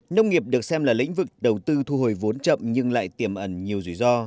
nông nghiệp được xem là lĩnh vực đầu tư thu hồi vốn chậm nhưng lại tiềm ẩn nhiều rủi ro